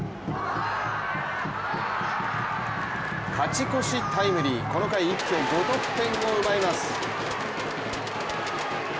勝ち越しタイムリー、この回一挙５得点を奪います。